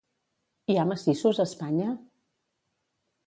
Hi ha massissos a Espanya?